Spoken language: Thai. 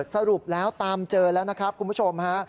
สรุปแล้วตามเจอแล้วนะครับคุณผู้ชมฮะ